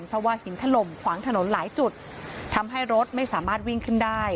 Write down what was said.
เพราะว่าหินถล่มขวางถนนหลายจุดทำให้รถไม่สามารถวิ่งขึ้นได้